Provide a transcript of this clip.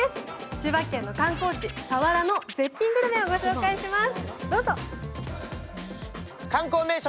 千葉県の観光地佐原の絶品グルメをご紹介します。